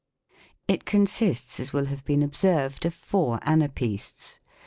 It consists, as will have been observed, of four ana psBsts.